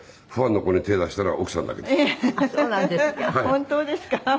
本当ですか？